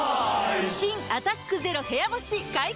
新「アタックＺＥＲＯ部屋干し」解禁‼